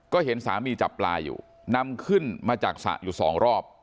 ก็เห็นสามีจับปลาอยู่นำขึ้นมาจากสระอยู่สองรอบ